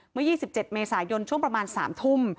เมื่อ๒๗เมษายนช่วงประมาณ๓ทุ่ม